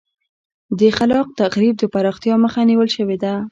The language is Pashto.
د خلاق تخریب د پراختیا مخه نیول شوې ده.